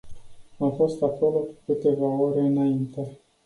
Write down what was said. Am fost acolo cu câteva ore înainte.